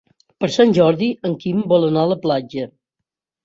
Per Sant Jordi en Quim vol anar a la platja.